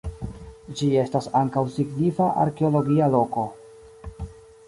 Ĝi estas ankaŭ signifa arkeologia loko.